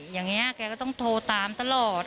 อย่างนี้แกก็ต้องโทรตามตลอด